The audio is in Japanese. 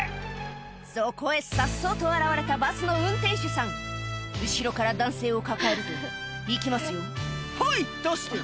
そこへさっそうと現れたバスの運転手さん後ろから男性を抱えると「行きますよはい！出して」